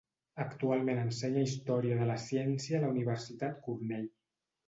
Actualment ensenya història de la ciència a la Universitat Cornell.